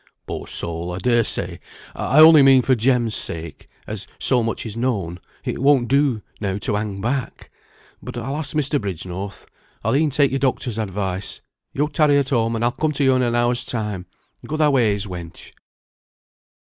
"Poor soul! I dare say. I only mean for Jem's sake; as so much is known, it won't do now to hang back. But I'll ask Mr. Bridgenorth. I'll e'en take your doctor's advice. Yo tarry at home, and I'll come to yo in an hour's time. Go thy ways, wench."